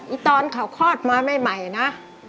ตอนเขาคลอดมาใหม่นะ